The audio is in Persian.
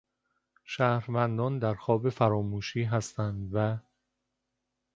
شهروندان در خواب فراموشی هستند و...